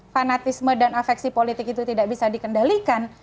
fanatisme dan afeksi politik itu tidak bisa dikendalikan